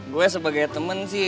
gue sebagai temen sih